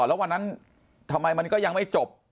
แล้ววันนั้นทำไมมันก็ยังไม่จบ